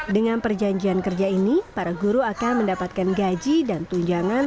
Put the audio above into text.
dengan perjanjian kerja ini para guru akan mendapatkan gaji dan tunjangan